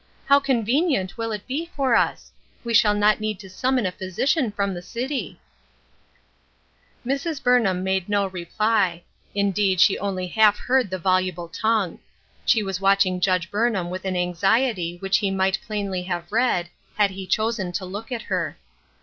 How convenient it will be for us ; we shall not need to summon a physician from the city." THE OLD QUESTION. Ill Mrs. Burnham made no reply ; indeed, she only half heard the voluble tongue. She was watching Judge Burnham with an anxiety which he might plainly have read, had he chosen to look at her.